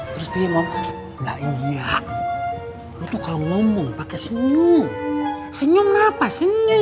terus dia mau lah iya itu kalau ngomong pakai senyum senyum apa senyum